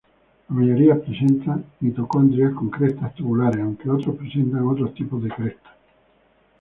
La mayoría presentan mitocondrias con crestas tubulares, aunque otros presentan otros tipos de crestas.